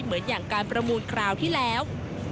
เหมือนอย่างการประมูลคราวที่แล้ว